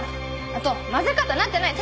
あと混ぜ方なってない。